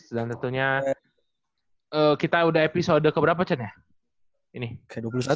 dan tentunya kita udah episode keberapa cen ya